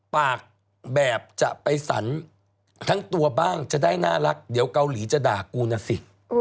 ปากแบบจะไปสรรทั้งตัวบ้างจะได้น่ารักเดี๋ยวเกาหลีจะด่ากูนะสิ